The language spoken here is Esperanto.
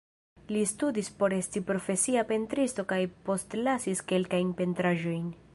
Li studis por esti profesia pentristo kaj postlasis kelkajn pentraĵojn.